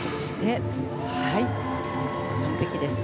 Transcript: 完璧です。